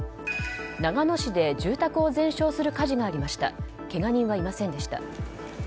長野市で住宅を全焼する火事がありました。